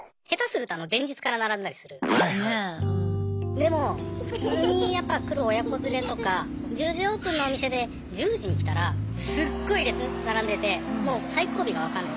でも普通にやっぱ来る親子連れとか１０時オープンのお店で１０時に来たらすっごい列並んでてもう最後尾が分かんない。